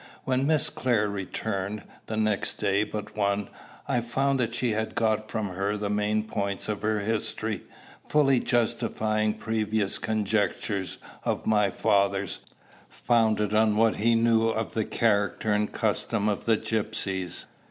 When Miss Clare returned, the next day but one, I found she had got from her the main points of her history, fully justifying previous conjectures of my father's, founded on what he knew of the character and customs of the gypsies.